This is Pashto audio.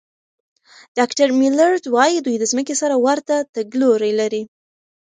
ډاکټر میلرډ وايي، دوی د ځمکې سره ورته تګلوري لري.